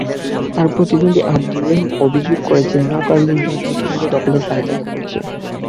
তাঁর প্রতিদ্বন্দ্বী আবদুর রহিম অভিযোগ করেছেন, নৌকার লোকজন ভোটকেন্দ্রগুলো দখলের পাঁয়তারা করছে।